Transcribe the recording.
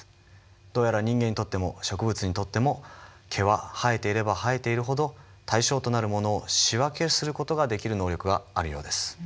どうやら人間にとっても植物にとっても毛は生えていれば生えているほど対象となるものを仕分けする事ができる能力があるようです。